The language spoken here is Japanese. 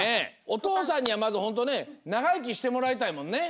お父さんにはまずホントねながいきしてもらいたいもんね。